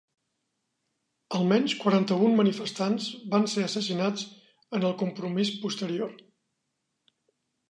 Almenys quaranta-un manifestants van ser assassinats en el compromís posterior.